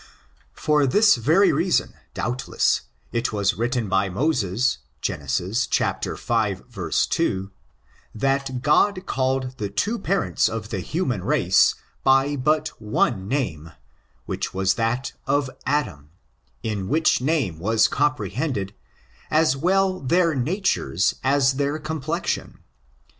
For this very reason, doubtless, it was written by Moses, Gen. v, 2, that God called the two parents of the human race by but one name, which was that of Adam, in which name was comprehended, as well their natures as their complexion.